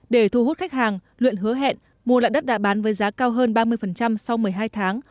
để thu hút khách hàng luyện hứa hẹn mua lại đất đạ bán với giá cao hơn ba mươi sau một mươi hai tháng